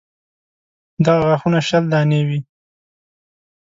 دغه غاښونه شل دانې وي.